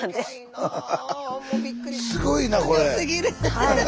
すごいな。